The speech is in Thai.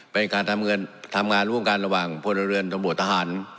เป็นการทำเงินทำงานร่วมกันระหว่างบริเวณสมบัติฐาน